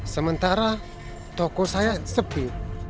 sementara toko saya sepi